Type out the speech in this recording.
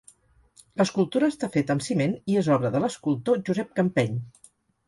L'escultura està feta amb ciment i és obra de l’escultor Josep Campeny.